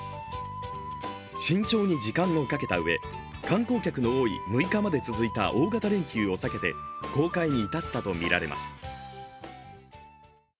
慎重に時間をかけたうえ観光客の多い６日まで続いた大型連休を避けて公開に至ったとみられます。